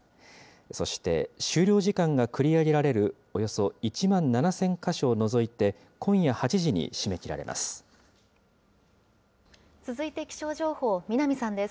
そして、終了時間が繰り上げられるおよそ１万７０００か所を除いて今夜８続いて気象情報、南さんです。